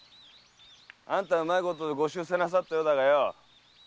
〔あんたはうまいことご出世なさったようだがよ〕